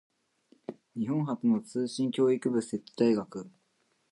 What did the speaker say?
日本初の通信教育部設置大学